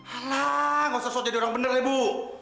alah nggak usah jadi orang bener ibu